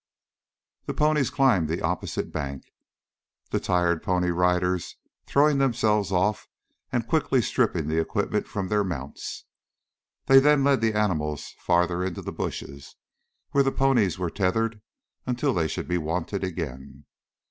The ponies climbed the opposite bank, the tired Pony Riders throwing themselves off and quickly stripping the equipment from their mounts. They then led the animals farther into the bushes, where the ponies were tethered until they should be wanted again.